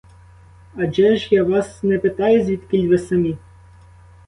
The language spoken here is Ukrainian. Адже ж я вас не питаю, звідкіль ви самі?